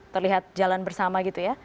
terlihat jalan bersama gitu ya